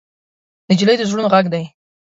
نجلۍ د زړونو غږ ده.